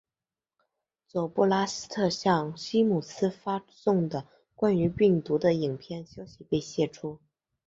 佐布拉斯特向西姆斯发送的关于病毒的影片消息被泄出。